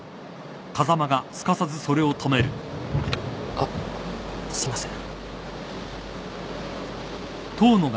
あっすいません。